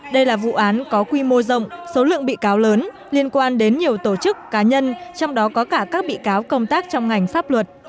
đây là vụ án có quy mô rộng số lượng bị cáo lớn liên quan đến nhiều tổ chức cá nhân trong đó có cả các bị cáo công tác trong ngành pháp luật